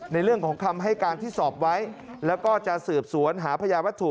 ในเรื่องของคำให้การที่สอบไว้แล้วก็จะสืบสวนหาพญาวัตถุ